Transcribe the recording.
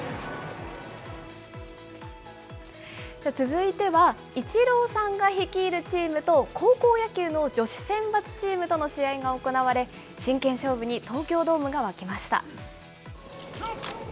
続いては、イチローさんが率いるチームと、高校野球の女子選抜チームとの試合が行われ、真剣勝負に東京ドームが沸きました。